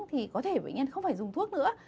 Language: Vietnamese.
thì có thể bệnh nhân không phải dùng thuốc nữa